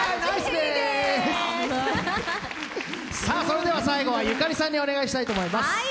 さあそれでは最後はゆかりさんにお願いしたいと思います。